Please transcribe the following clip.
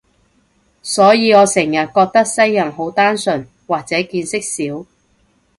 所以我成日覺得西人好單純，或者見識少